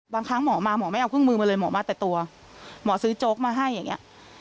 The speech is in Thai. บางครั้งหมอมาหมอไม่เอาเครื่องมือมาเลยหมอมาแต่ตัวหมอซื้อโจ๊กมาให้อย่างเงี้ย